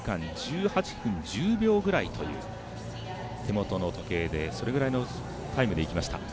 １時間１８分１０秒ぐらいという手元の時計でタイムでいきました。